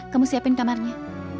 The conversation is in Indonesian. kamu siapkan kamarnya